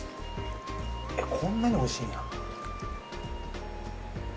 こんなにおいしいんや。